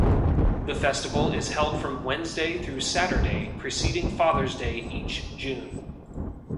The festival is held from Wednesday through Saturday preceding Father's Day each June.